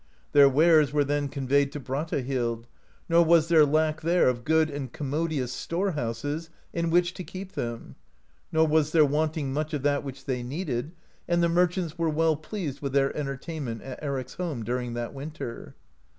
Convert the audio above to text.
Their wares were then conveyed to Brattahlid ; nor was there lack there of good and commodious store houses, in which to keep them; nor was there wanting much of that which they needed, and the merchants were well pleased with their entertainment at Eric's home during that winter.